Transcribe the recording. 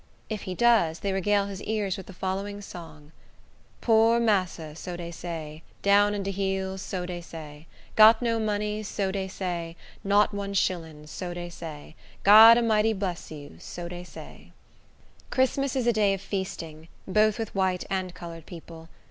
If he does, they regale his ears with the following song:— Poor massa, so dey say; Down in de heel, so dey say; Got no money, so dey say; Not one shillin, so dey say; God A'mighty bress you, so dey say. Christmas is a day of feasting, both with white and colored people.